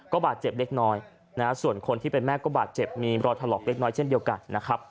บาดเจ็บเล็กน้อยนะฮะส่วนคนที่เป็นแม่ก็บาดเจ็บมีรอยถลอกเล็กน้อยเช่นเดียวกันนะครับ